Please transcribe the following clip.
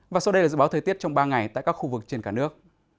và sau đây là dự báo thời tiết trong ba ngày tại các khu vực trên cả nước